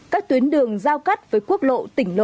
các tuyến đường giao cắt với quốc lộ